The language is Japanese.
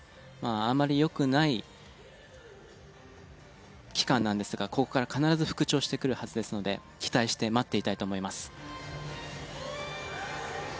あまり良くない期間なんですがここから必ず復調してくるはずですので期待して待っていたいと思います。